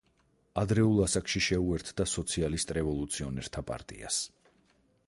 ადრეულ ასაკში შეუერთდა სოციალისტ რევოლუციონერთა პარტიას.